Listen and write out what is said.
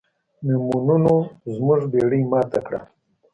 میمونونو زموږ بیړۍ ماته کړه.